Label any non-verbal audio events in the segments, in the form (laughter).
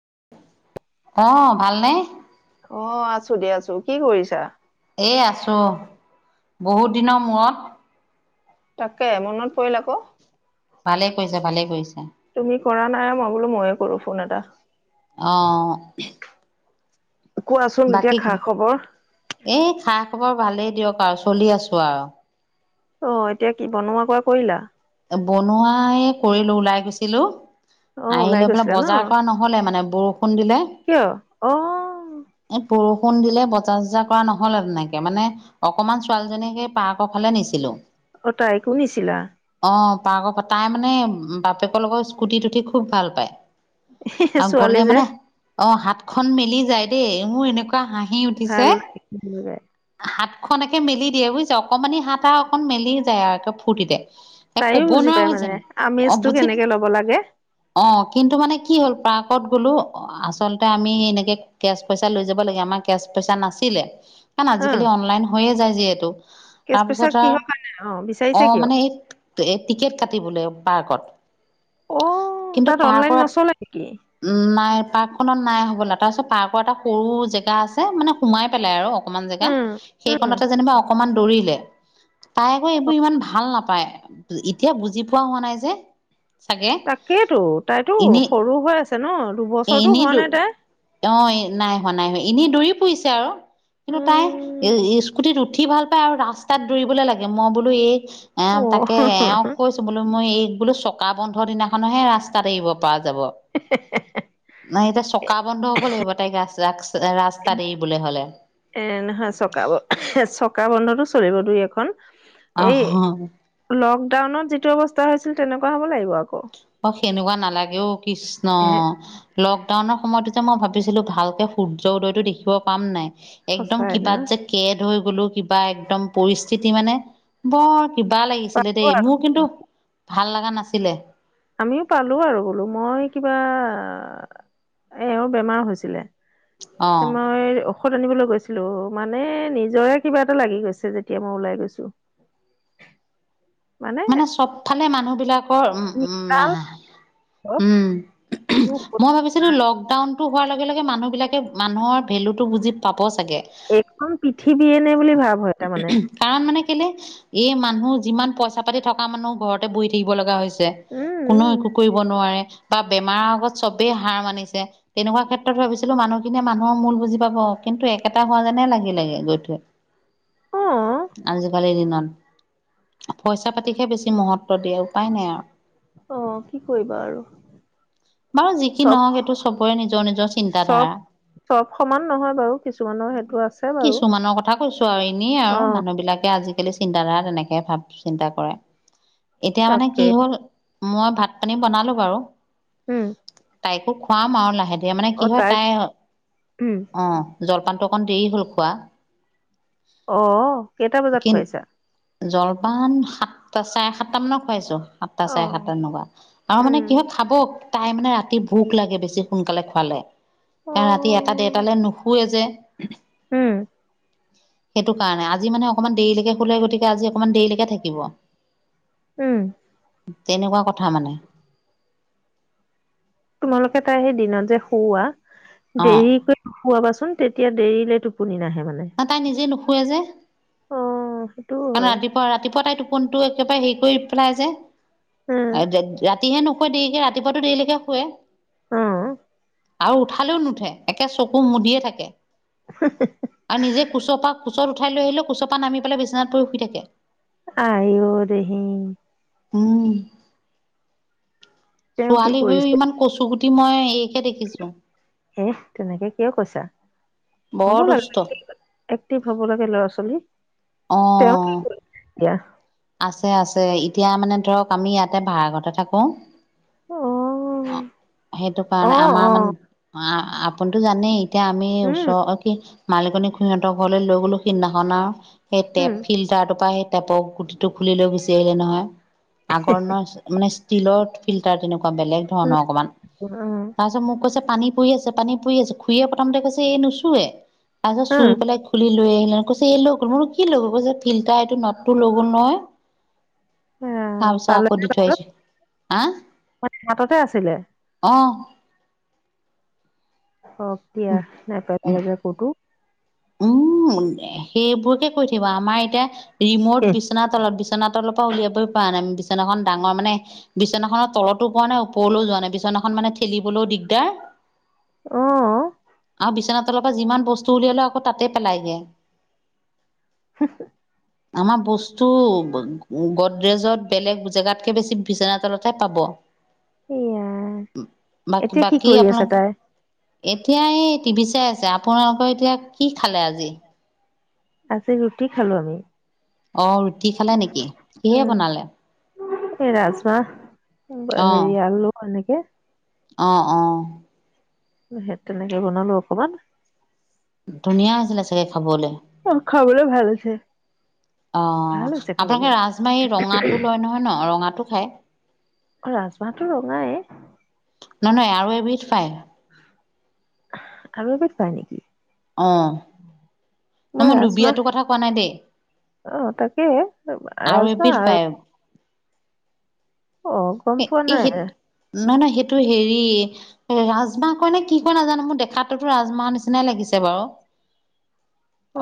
(inaudible) অ ভালনে? অ আছো দিয়া আছো। কি কৰিছা? এই আছো বহুত দিনৰ মূৰত। তাকে মনত পৰিল আকৌ। ভালেই কৰিছে, ভালেই কৰিছে। তুমি কৰা নাই মই বোলো ময়ে কৰো ফোন এটা। অহ। কোৱাচোন এতিয়া খা খবৰ? এই খা খবৰ ভালেই দিয়ক আও চলি আছো আও। অ এতিয়া কি বনোৱা (unintelligible) কৰিলা? বনোৱাই কৰিলো ওলাই গৈছিলো? অ আহি ওলাই লৈ পেলাই গৈছিলা ন বজাৰ কৰা নহলে মানে। অহ। কিয়? অহ। এই বৰষুণ দিলে বজাৰ চজাৰ কৰা নহল আও তেনেকে, মানে অকমান ছোৱালীজনী সেই পাৰ্কৰ ফালে নিছিলো। অ তাইকো নিছিলা। অ পাৰ্ক পা তাই মানে বাপেকৰ লগত স্কুটিত উঠি খুব ভাল পায়। আৰু ছোৱালী গলে যে মানে অ হাতখনন মেলি যায়। দেই মোৰ এনেকু হাঁহি ভাল উঠিছে লাগে হাত খখনকে মেলি দিয়ে বুইছ, অকণমানি হাত আও অকণ মেলি যায় আও ফূৰ্তিতে। এ তাইও ক'ব বুজি নোৱাৰা পায় হৈছে মানে, অ আমেজটো বুজি কেনেকে ল'ব লাগে অ কিন্তু মানে কি হ'ল প্ৰ। কত গলো আচলতে আমি স এনেকে কেচ পইচা লৈ যাব লাগে আমাৰ কেচ পইচা নাছিলে। কাৰণ অ আজিকালি অনলাইন হৈয়ে যায় যিহেতু, কেচ পইচা তাৰপিছত আৰু কিহৰ কাৰণে অ অ বিচাৰিছে কিয় মানে এই এই টিকেট কাটিবলে পাৰ্কত। অ কিন্তু তাত পাৰ অনলাইন কৰাত নচলে নেকি উম নাই। পাৰ্কখনত নাই হ'বলা তাৰপিছত পাৰ্কৰ এটা সৰু জেগা আছে মানে সোমাই পেলাই আৰু অকমান জেগা উম উম সেইকণতে যেনিবা অকমান দৌৰিলে তাই আকৌ এইবোৰ ইমান ভাল নাপায় পায়। এতিয়া বুজি পোৱা হোৱা নাই যে। চাগে তাকেইতো, তাইতো সৰু হৈ আছে ন। এ, দুবছৰতো এনেই হোৱা নাই দৌৰি। তাই অঁ, নাই হোৱা নাই। এনেই দৌৰি ফুৰিছে আৰু, কিন্তু উম তাই স্কুটিত। উঠি ভাল পায়, আৰু ৰাস্তাত দৌৰিবলৈ লাগে। মই বোলো এই। অঁ, অ তাকে এওঁক কৈছোঁ, বোলো মই এই বোলো, চকা বন্ধৰ দিনাখনহে ৰাস্তাত এৰিব পৰা যাব। হেহ্ হেহ্ হেহ্ হেহ্। নাই, এতিয়া চকা বন্ধ হ'ব লাগিব তাইক ৰাস্তাত এৰিবলে হ'লে। এ নহয় চকা চকা বন্ধতো চলিব দুই এখন। এই আহ লকডাউনত যিটো অৱস্থা হৈছে। তেনেকুৱা হ'ব লাগিব আকৌ। অঁ, সেনেকুৱা নালাগে অ' কৃষ্ণ। এ লকডাউনৰ সময়তো যে মই ভাবি। ভাবিছিলোঁ ভালকে সূৰ্য উদয়টো দেখিব পাম নাই। একদম, সঁচাই না কিবাৎ যে কেদ। এই বুলু, কিবা একদম পৰিস্থিতি মানে বৰ। কিবা লাগিছিলে পালো দেই আৰু মোৰ কিন্তু। ভাল লাগা নাছিলে। আমিও পালোঁ আৰু বুলু, মই কিবা এওঁৰ বেমাৰ হৈছিলে। অ মই ঔষধ আনিবলৈ গৈছিলোঁ। গৈছিলোঁ। মানে নিজৰে কিবা এটা লাগি গৈছে, যেতিয়া মই ওলাই গৈছোঁ। মানে চবফালে মানুহবিলাকৰ উম্ উম্, হাঁ। হাঁ। মই ভাবিছিলোঁ, লকডাউন। হোৱাৰ লগে লগে মানুহবিলাকে মানুহৰ ভেল্যুটো বুজি পাব। চাগে এইখন পৃথিৱীয়েনে বুলি ভাব হয় তাৰমানে। কাৰণ মানে কেলে এই মানুহ যিমান পইচা পাতি থকা মানুহ ঘৰতে বহি থাকিব লাগা হৈছে। উম কোনো উম। একো কৰিব নোৱাৰে। বা বেমাৰৰ আগত চবেই হাৰ মানিছে। তেনেকুৱা ক্ষেত্ৰত ভাবিছিলোঁ মানুহখিনিয়ে মানুহৰ মূল বুজি পাব, কিন্তু একেটা হোৱা যেন লাগিলেগে গৈ থৈ। অ'। আজিকালিৰ দিনত। (inaudible) পইচা-পাতিকেহে বেছি মহত্ব দিয়ে, উপায় নাই আৰু। অ কি কৰিবা আৰু বাৰু যি কি চব নহওক, এইটো চবৰে নিজৰ নিজৰ চব চিন্তাধাৰা। চব সমান নহয় বাৰু কিছুমানৰ সেইটো আছে বাৰু। কিছুমানৰ কথা কৈছোঁ আৰু এনেই আৰু অ মানুহবিলাকে আজি। আজিকালি চিন্তাধাৰা তেনেকে ভাব চিন্তা কৰে। এতিয়া মানে তাকে কি হ'ল। মই ভাত পানী বনালো বাৰু। উম, ত একো খুৱাম আৰু লাহে এয়া মানে অ কি হয় তাইক তাই উম অ' জ দকান কান দেৰি হ'ল খোৱা অ' কেইটা বজাত খুৱাইছা। জল ইমান সাতটা চাৰে সাতটামানক খুৱাইছোঁ। সাতটা অ চাৰে সাতটা এনেকুৱা আৰু মানে উম কিহ খাব তাই মানে ৰাতি ভোক লাগে। বেছি সোনকালে খোঁৱালে অ কাৰণ ৰাতি এটা দেৰটালৈ নুশুৱে যে। হম। সেইটো কাৰণে আজি মানে অকণমান দেৰিলৈকে শুলে, গতিকে আজি অকমান দেৰিলৈকে থাকিব। উম, তেনেকুৱা কথা মানে। তোমালোকে তাই সেই দিনত যে শুওৱা। অ দেৰিকৈ নোখুৱাবাচোন তেতিয়া দেৰিলে টোপনি নাহে। মানে। ন তাই নিজে নু শোৱে যে। অ সেইটোও কাৰ হয় ৰাতিপুৱা-ৰাতিপুৱা তাই টোপোনটো, একবাৰে হেৰি কৰি পেলাই যে। উম (unintelligible) ৰাতিহে নুুৱাই দেৰিকে ৰাতিুৱাটো দেৰিলৈকে শুৱে। উম, আৰু উঠালেও নুঠে একে চকু মুদিয়ে থাকে। আৰু নিজে কোচপা-কোচৰ, উঠাই লৈ আহিলো কুচৰ নামি পেলাই বিছনাত ৰখি থাকে। আই অ দেহি। উম, তেওঁ ছোৱালী হৈও ইমান কচু গুটি। তি মই। এইকে দেখিছো এ তেনেকে কিয় কৈছা? হ'ব বৰ লাগে সুস্থ এক্টিভ হ'ব লাগে ল'ৰা ছোৱালী। তেওঁ কি এতিয়া। আছে- আছে এতিয়া মানে ধৰক আমি ইয়াতে ভা়ড়া ঘৰতে থাকো অ অ' সেইটো অ কাৰণে আমাৰ অ মানে অ' আপুনি তো জানেই। এতিয়া আমি উম ওচৰৰ কি? মালিকনী খুৰী সিহঁতৰ ঘৰলৈ লৈ গলো সিদিনাখন আও। সেই টেপ উম ফিল্টাৰটোৰ পৰা সেই। টেপ টো খুলি লৈ বিচাৰ আহিলে নহয় আগৰ ন মানে। ষ্টীলৰ ফিল্টাৰ তেনেকুৱা। বেলেগ ধৰণৰ অকমান উম তাৰপিছত মোক কৈছে পানী পৰি আছে পানী পুৰি আছে খুুৰে প্ৰথমতে কৈছে এই নুচোৱে। তাৰপিছত উম চুই পেলাই খুলি। লৈ আহিলে কৈছে এই লগ গ'ল মোৰো কি ল'ল কৈছে ফিল্টাৰ এইটো নদটো লৈ গল নহয়। আ, তাৰ পিছত পালে আকৌ নে দি পাছত থৈছো হ মানে হাততে আছিলে আহ। অ' দিয়া নপ লাগে ক'তো। উম সেইবোৰ। কৈ থিবা আমাৰ এতিয়া। ৰিমট হেহ, বিচনা তলত বিছনাাৰ তলৰ পৰা উলিয়াবই প পৰা নাই। বিচনাখন ডাঙৰ মানে বিচনাখননৰ তলতো পোৱা নাই ওপৰলৈও যোৱা নাই বিচনাখন মানে ঠেলিবলৈও দিগদাৰ। অ বিচনা তলৰ পৰা যিমান বস্তু উলিয়ালও। তাতে পেলাইগে। (inaudible) আমাৰ বস্তু গডৰেজত বেলেগ জেগাতকে বেছি বিচনা তলতহে পাব। এয়া এতিয়া কি বাকী কৰি আছে তাই আপোনাক এতিয়া এই টিভি চাই আছোঁ। আপোনালোকৰ এতিয়া। কি খালে আজি? আজি ৰুটি খালো আমি। অ' ৰুটি খালে নেকি উ কিহে বনালে এই ৰাজমাহ অ হেৰি আলু এনেকে কি অ অ সেই তেনেকে বনালো অকমান। ধুনীয়া হৈছিলে চাগে খাবলে। খাবলৈও ভাল হৈছে। অ', ভাল হৈছে খাবলৈ আপোনালোকে ৰাজমাহ এই ৰঙাটো লয় নহয় ন, ৰঙাটো খায়? অ ৰাজমাহটো ৰঙাই নহয়-নহয়, আৰু এবিধ পায়। আৰু এবিধ পাই নেকি? অ', নহয় মই লুবিয়াটো কথা কোৱা নাই দেই, অ তাকে আৰু ৰাজমাহ এবিধ আৰু পায়। অ', গম পোৱা এই নাই। সেই নহয় নহয় সেইটো হেৰি, ৰাজমাহ কয় নে কি কয় নাজানো, মোৰ দেখাতটোতো ৰাজমাহ নিচিনাই লাগিছে বাৰু,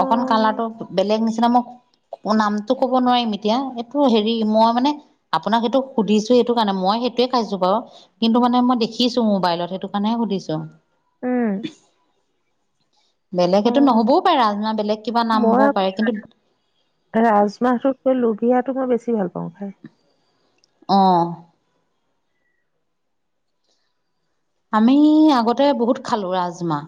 অ অকন কালাৰটো বেলেগ নিচিনা, মই নামটো ক'ব নোৱাৰিম এতিয়া, এইটো হেৰি, মই মানে আপোনাক সেইটো সুধিছো ছো সেইটো কাৰণে, মই সেইটোয়ে খাইছো বাৰু, কিন্তু মানে মই দেখিছো মোবাইলত, সেইটো কাৰণেহে সুধিছো। উম। বেলেগ অ সেইটো নহ'বও পাৰে, ৰাজমাহ বেলেগ কিবা নাম মই হ'ব পাৰে, কিন্তু ৰাজমাহটোতকৈ লুভিয়াটো মই বেছি ভাল পাওঁ খাই। অ'। আমি, আগতে বহুত খালো ৰাজমাহ।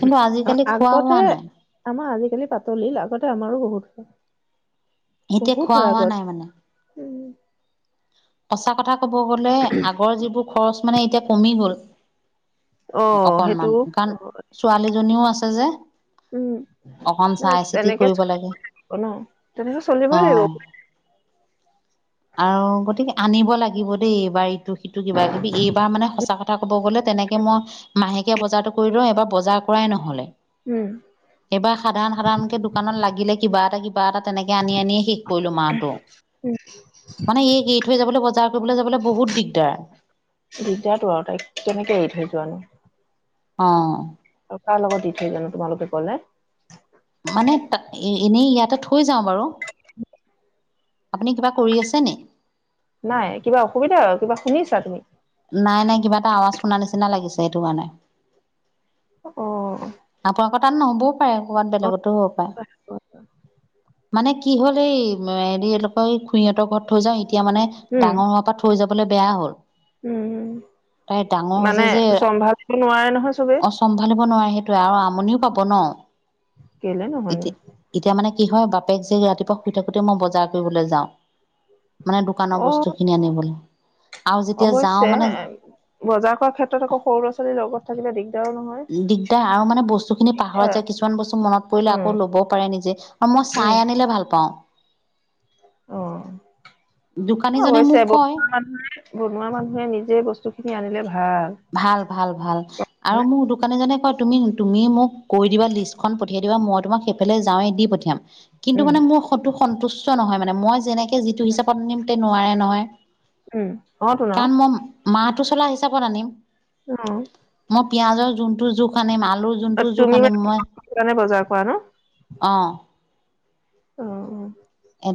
কিন্তু অ, আজিকালি খোৱা আগতে হোৱা নাই। আমাৰ আজিকালি পাতলিল, আগতে আমাৰো বহুত খায়। এতিয়া খোৱা হোৱা নাই মানে। উম, পচাক কথা ক'ব গ'লে, আগৰ যিবোৰ খৰচ মানে এতিয়া কমি গ'ল। অ সেইটো অকণমান, অ কাৰণ ছোৱালী জনীও আছে যে। উম, অকন নহয় চাই চিতি তেনেকে কৰিব লাগে চলিবই লাগিব ন, তেনেকে অ চলিবই লাগিব। আৰু গতিকে, আনিব লাগিব দেই এইবাৰ ইটো সিটো কিবা কিবি, এইবাৰ মানে সঁচা কথা ক'ব গ'লে তেনেকে মই মাহেকীয়া বজাৰটো কৰি লওঁ, এইবাৰ বজাৰ কৰাই নহ'লে। উম এইবাৰ সাধাৰণ সাধাৰণকে দোকানত লাগিলে কিবা এটা কিব কিবা এটা তেনেকে আনি আনিয়ে শেষ কৰিলো মাহটো। মানে এইক এৰি থৈ যাবলৈ, বজাৰ কৰিবলৈ যাবলৈ, বহুত দিগদাৰ। দিগদাৰটো আৰু তাইক কেনেকে এৰি থৈ যোৱানো অ'। আৰু কাৰ লগত দি থৈ যোৱানো তোমালোকে গ'লে? মানে তাত, এ-এনেই ইয়াতে থৈ যাওঁ বাৰু। আপুনি কিবা কৰি আছেনি? নাই কিবা অসুবিধা আৰু কিবা শুনিছা তুমি নাই নাই কিবা এটা আৱাজ শুনা নিচিনা লাগিছে সেইটো মানে অহ টান নহ'ব কবাত বেলেগতো হ'ব পাৰে মানে কি হল এই হেৰি এনেকৰ খুইহঁতৰ ঘৰত থৈ যাও তেতিয়া মানে উম উম ডাঙৰ হোৱাৰ পৰা থৈ যাব বেয়া হ'ল উম তাই ডাঙৰ হৈছে মানে যে চম্ভালিব নোৱাৰে নহয় চবে অ চম্ভালিব নোৱাৰে সেইটো আৰু আমনিও পাব ন কেলে নোৱাৰে এতিয়া (unintelligible) বাপেক যে ৰাতিপুৱা শুই থাকোতে মই বজাৰ কৰিবলৈ যাওঁ মানে দোকানৰ অ বস্তু খিনি আনিবলৈ আৰু যেতিয়া (unintelligible) অৱশ্যে বজাৰ কৰ ক্ষেত্ৰত আকৌ সৰু ল' ছোৱালীৰ লগত থাকে (unintelligible) কি দ (unintelligible) দিগদাৰ আৰু মানে বস্তু খিনি পাহৰা এ যায় কিছুমান বস্তু মনত পৰিলে উম আকৌ ল'বও পাৰে নিজে আৰু মই উম চাই আনিলে ভাল পাওঁ (inaudible) অ দোকানীজনে মোক অৱশ্য কয় এবুৰ বনোৱা মানুহে নিজে বস্তু খিনি আনিলে ভাল ভাল ভাল ভাল আৰু হয়নে মোৰ দোকানী জনে তুমি তুমি মোক কৈ দিবা লিষ্টখন পঠিয়াই দিবা মই তোমাক সেইফালে যাই দি পঠিয়াম কিন্তু উম মানে মোৰ কটো সন্তুষ্ট নহয় মানে মই যেনে তে যিটো হিচাপত নিব নোৱাৰে নহয় উম অহ তোঁ ন কাৰণ মই মাহটো চলা হিচাপত আনিম অ মই পিয়াজৰ যোনটো জোখ আনে মাল আলু অ যোনটো জোখ তুমি মানে আনিম মই সেইটো কাৰণে বজাৰ কৰা অহ উমহ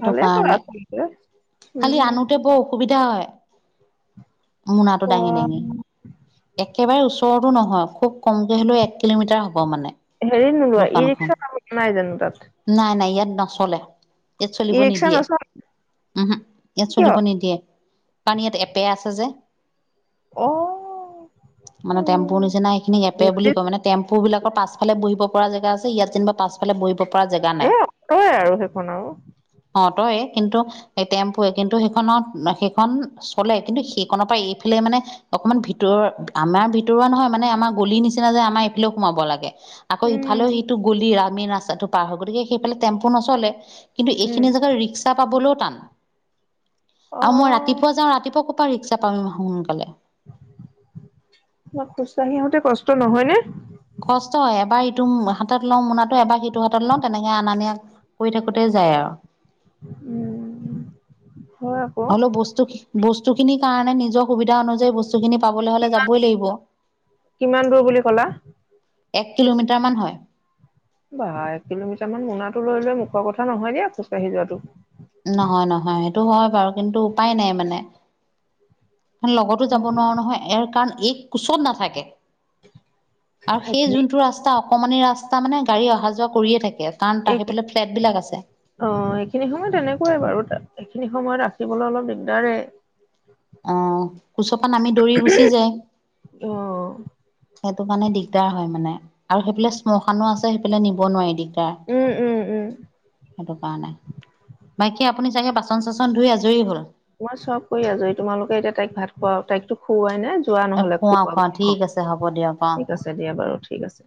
ভালে কৰা আছেছে (unintelligible) খালি আনোতে বৰ অসুবিধা। এতিয়া। মোনাটো দাঙি অ' দাঙি একেবাৰে ওচ ওচৰৰতটো নহয় খুব কমকৈ হ'লেও এক কিলোমিটাৰ হ'ব মানে। হেৰি নোলোৱা ই দোকানখন ৰিক্সা নাই জানো তাত। নাই নাই ইয়াত নচলে। ইয়াত ই চলিব ৰিক্সা নিদিয়ে। নচলা উমহো ইয়াত কিয় চলিব নিদিয়ে কাৰণ ইয়াত এপে আছে যে। অ' মানে টেম্পুৰ উম নিচিনা সেইখিনি এপে বুলি কয় মানে টেম্পু বিলাকৰ পাছফালে বহিব পৰা জেগা আছে ইয়াত যেনিবা পাছফালে বহি এ অট আৰু সেইখন আৰু। তয় কিন্তু এই টেম্পুে কিন্তু সেইখনত সেইখন চলে কিন্তু সেইখনৰ পৰা এইফালে মানে অকমান ভিতৰুৱা আমাৰ ভিতৰুৱা নহয় মানে আমাৰ গলিৰ নিচিনা যে আমাৰ এইফালেও সোমাব লাগে। আকৌ উম ইফালেও সিটো গলি ৰা মেইন ৰাস্তাটো পাৰ হয় গতিকে সেইফালে টেম্পু নচলে। কিন্তু উম এইখিনি জেগাত ৰিক্সা পাবলৈ টান। আৰু মই অ' ৰাতিপুৱা যাওঁ ৰাতিপুৱা প পৰা ৰিক্সা পাম সোনকালে তোমা খোজ কাঢ়ি আহোঁতে কষ্ট নহয়নে? কষ্ট হয় এবাৰ ইটো হাতত লওঁ মোনাটো এবাৰ সিটো হাতত লওঁ তেনেকে আনা নিয়া কৰি থাকোতে যায় আৰু। উম। হয় আকৌ হলো বস্তু বস্তু বস্তুখিনিৰ কাৰণে নিজৰ সুবিধা অনুযায়ী বস্তু কি কিমান দূৰ বুলি কলা? এক কিলোমিটাৰ মান হয়। বা এক কিলোমিটাৰ মান মোনাটো লৈ লৈ মুখৰ কথা নহয় দিয়া খোজকাঢ়ি যোৱাটো। নহয় নহয় সেইটো হয় বাৰু কিন্তু উপায় নাই মানে। লগতো যাব নোৱাৰো নহয় ইয়াৰ কাৰণ এই কোচত নাথাকে। আৰু সেই এইখিনি যোনটো ৰাস্তা অকমান ৰাস্তা মানে গাড়ী অহা যোৱা কৰিয়ে থাকে। কাৰণ তাৰ এইখিন সেইফালে ফ্লেট বিলাক আছে অ এইখিনি সময় তেনেকুৱাই বাৰু। স খিনি সময়ত ৰাখিবলৈ অলপ দিগদাৰে আহ কুচপাত নামি দৌৰি গুচি যায় অ' সেইটো কাৰণে দিগদাৰ হয় মানে আৰু সেইফালে শ্মশানো আছে সেইফালে নিব নোৱাৰি দিগদাৰ উম উম উম সেইটো কাৰণে বাকী আপুনি চাগে বাচন চাচন ধুই আজৰি হ'ল তোমই চব কৰি আছো তোমালোকে এতিয়া তাইক ভাত খুৱাও তাইকতো খুওৱাই নাই চোৱা নহলে খোৱা খুব খোৱা অ ঠিক আছে হ'ব দিয়ক অ ঠিক আছে দিয়া বাৰু ঠিক আছে